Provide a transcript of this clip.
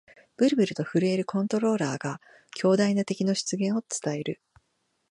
ブルブルと震えるコントローラーが、強大な敵の出現を伝える